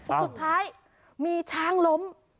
สุดท้ายมีช้างล้ม